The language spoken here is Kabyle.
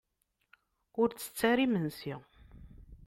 Ur ttett ara imensi.